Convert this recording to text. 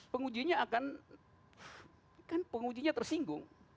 pengujinya akan tersinggung